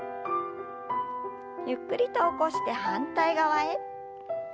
ゆっくりと起こして反対側へ。